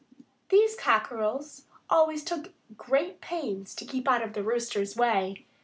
These cockerels usually took great pains to keep out of the Rooster's way.